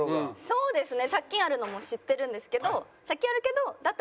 そうですね